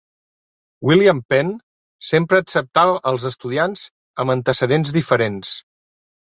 William Penn sempre acceptava als estudiants amb antecedents diferents.